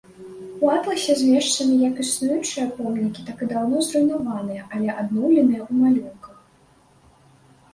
У атласе змешчаны як існуючыя помнікі, так і даўно зруйнаваныя, але адноўленыя ў малюнках.